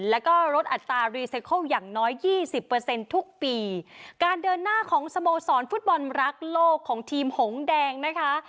แล้วก็ลดอัตรารีไซเคิลอย่างน้อยยี่สิบเปอร์เซ็นต์ทุกปีการเดินหน้าของสโมสรฟุตบอลรักโลกของทีมหงแดงนะคะ